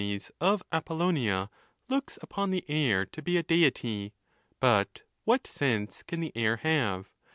221 Diogenes of Apollonia looks upon the air to be a Deity. But what sense can the aiv have?